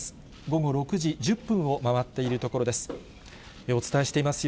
午後６時１０分を回っているところです。